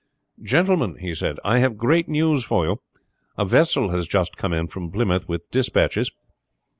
"Gentlemen," he said, "I have great news for you. A vessel has just come in from Plymouth with dispatches.